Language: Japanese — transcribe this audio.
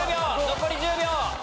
残り１０秒！